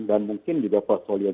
dan mungkin juga portfolio business